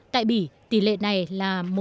tại bỉ tỷ lệ này là